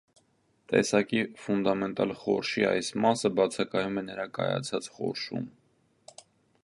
Տեսակի ֆունդամենտալ խորշի այս մասը բացակայում է նրա կայացած խորշում։